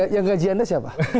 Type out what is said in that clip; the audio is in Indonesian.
yang gaji anda siapa